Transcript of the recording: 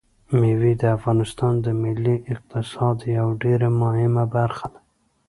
مېوې د افغانستان د ملي اقتصاد یوه ډېره مهمه برخه ده.